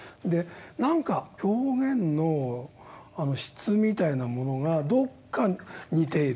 何か表現の質みたいなものがどっか似ている。